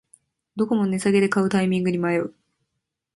どこも値下げで買うタイミングに迷う